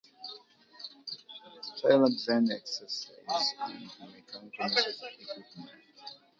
Taylor designed exercise and mechanical massage equipment.